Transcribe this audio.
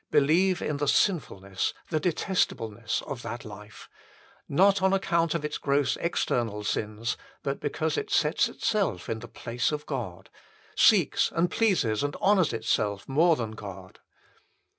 Believe in the sinful ness, the detestableness, of that life : not on account of its gross external sins, but because it sets itself in the place of God ; seeks, and pleases, and honours itself more than God.